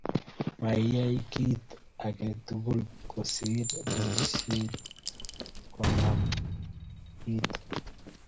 maiyai kiy age tugul kosir bolche koname iitu